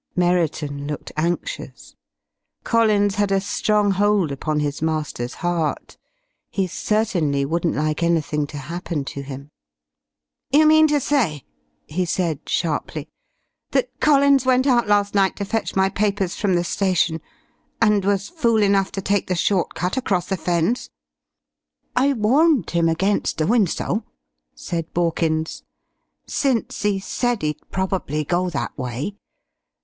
Merriton looked anxious. Collins had a strong hold upon his master's heart. He certainly wouldn't like anything to happen to him. "You mean to say," he said sharply, "that Collins went out last night to fetch my papers from the station and was fool enough to take the short cut across the Fens?" "I warned him against doin' so," said Borkins, "since 'e said 'e'd probably go that way.